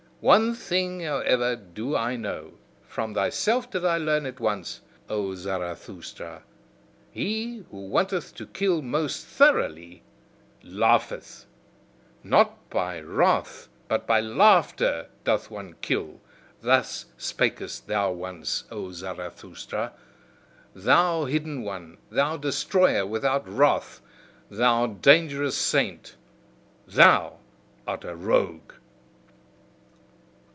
One thing however do I know, from thyself did I learn it once, O Zarathustra: he who wanteth to kill most thoroughly, LAUGHETH. 'Not by wrath but by laughter doth one kill' thus spakest thou once, O Zarathustra, thou hidden one, thou destroyer without wrath, thou dangerous saint, thou art a rogue!"